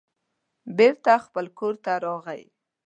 بېرته خپل کور ته راغی.